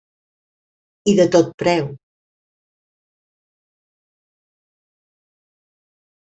I de tot preu.